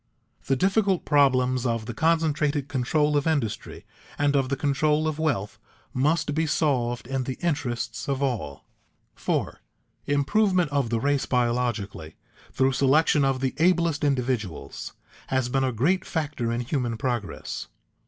The difficult problems of the concentrated control of industry and of the control of wealth must be solved in the interests of all. [Sidenote: Social progress vs. race progress] 4. _Improvement of the race biologically, through selection of the ablest individuals, has been a great factor in human progress.